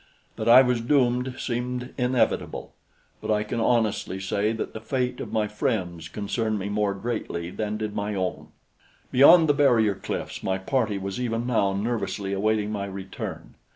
That I was doomed seemed inevitable; but I can honestly say that the fate of my friends concerned me more greatly than did my own. Beyond the barrier cliffs my party was even now nervously awaiting my return.